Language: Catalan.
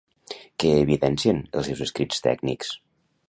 Què evidencien els seus escrits tècnics?